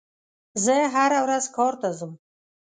زه هره ورځ کار ته ځم.